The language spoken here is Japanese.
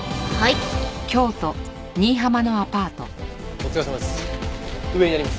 お疲れさまです。